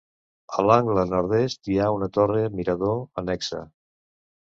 A l'angle nord-est hi ha una torre-mirador annexa.